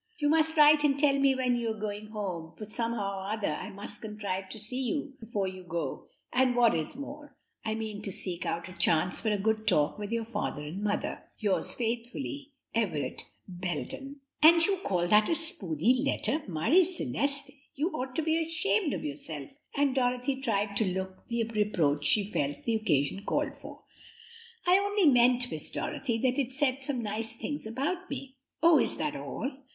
"You must write and tell me when you are going home, for somehow or other I must contrive to see you before you go, and what is more, I mean to seek out a chance for a good talk with your father and mother. "'Yours faithfully, "'Everett Belden.'" "And you call that a spooney letter! Marie Celeste, you ought to be ashamed of yourself," and Dorothy tried to look the reproach she felt the occasion called for. "I only meant, Miss Dorothy, that it said some nice things about me." "Oh, is that all?